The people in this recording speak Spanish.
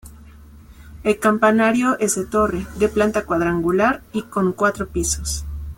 El campanario es de torre, de planta cuadrangular y con cuatro pisos.